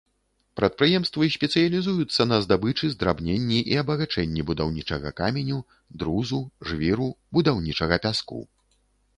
Прадпрыемствы спецыялізуюцца на здабычы, здрабненні і абагачэнні будаўнічага каменю, друзу, жвіру, будаўнічага пяску.